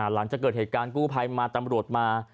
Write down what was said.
หลังจากเกิดเหตุการณ์กู้ภัยมา